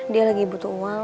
dia lagi butuh uang